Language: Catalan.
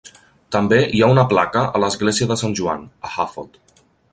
També hi ha una placa a l'església de Sant Joan, a Hafod.